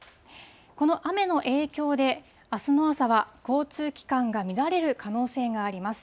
この雨の影響で、あすの朝は交通機関が乱れる可能性があります。